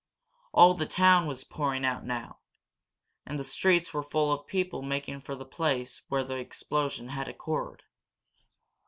All the town was pouring out now, and the streets were full of people making for the place where the explosion had occurred.